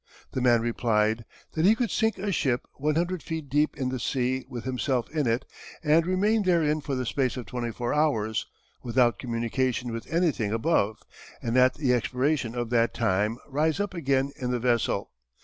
The man replied, "that he could sink a ship 100 feet deep in the sea with himself in it, and remain therein for the space of 24 hours, without communication with anything above; and at the expiration of the time, rise up again in the vessel."